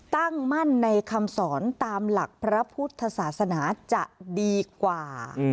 ตั้งมั่นในคำสอนตามหลักพระพุทธศาสนาจะดีกว่า